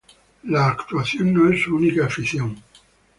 La actuación no es su única afición.